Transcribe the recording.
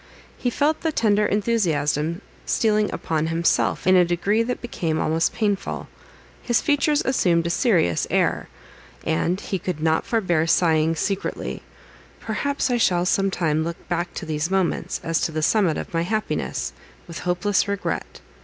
He felt the tender enthusiasm stealing upon himself in a degree that became almost painful; his features assumed a serious air, and he could not forbear secretly sighing—"Perhaps I shall some time look back to these moments, as to the summit of my happiness, with hopeless regret.